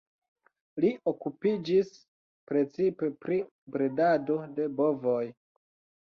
Li okupiĝis precipe pri bredado de bovoj.